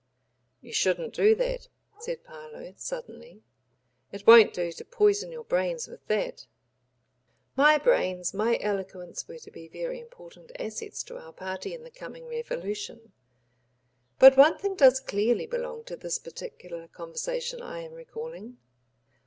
"You shouldn't do that," said Parload, suddenly. "It won't do to poison your brains with that." My brains, my eloquence, were to be very important assets to our party in the coming revolution. ... But one thing does clearly belong to this particular conversation I am recalling.